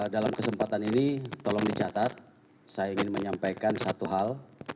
dalam kesempatan ini tolong dicatat saya ingin menyampaikan satu hal